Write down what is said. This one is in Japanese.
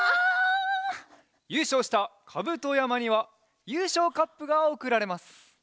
ゆうしょうしたカブトやまにはゆうしょうカップがおくられます。